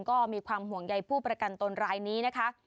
ก็มีความห่วงใยผู้ประกันตนรายนี้นะคะ